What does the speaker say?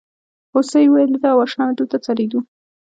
هوسۍ وویل زه او اشنا مې دلته څریدو.